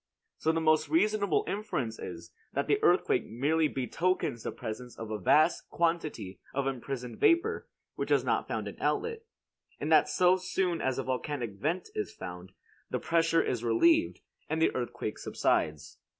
So the most reasonable inference is, that the earthquake merely betokens the presence of a vast quantity of imprisoned vapor which has not found an outlet; and that so soon as a volcanic vent is found, the pressure is relieved, and the earthquake subsides.